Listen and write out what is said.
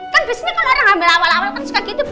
kan biasanya kalau orang ambil awal awal kan suka gitu